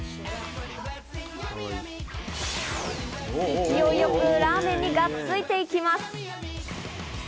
勢いよくラーメンにがっついていきます。